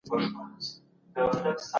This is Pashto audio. ایا ارتجاع د پرمختګ مخه نيسي؟